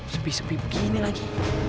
sepi sepi begini lagi